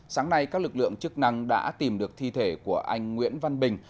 sáng nay các lực lượng chức năng đã tìm được thi thể của anh nguyễn văn bình